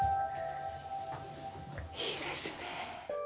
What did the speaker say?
いいですね。